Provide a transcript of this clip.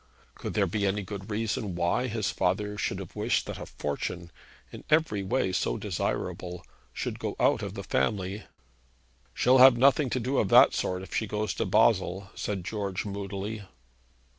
Could there be any good reason why his father should have wished that a 'fortune,' in every way so desirable, should go out of the family? 'She'll have nothing to do of that sort if she goes to Basle,' said George moodily.